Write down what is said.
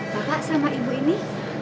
bapak sama ibu ini